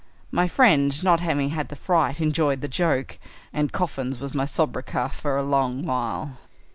My friend not having had the fright enjoyed the joke, and 'Coffins' was my sobriquet for a long while."